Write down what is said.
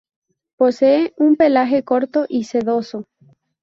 Posee un pelaje corto y sedoso.